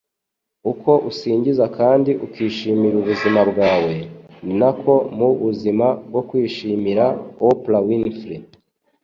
Uko usingiza kandi ukishimira ubuzima bwawe, ni nako mu buzima bwo kwishimira.” - Oprah Winfrey